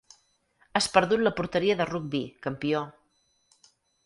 Has perdut la porteria de rugbi, campió.